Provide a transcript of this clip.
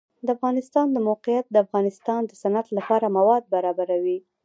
د افغانستان د موقعیت د افغانستان د صنعت لپاره مواد برابروي.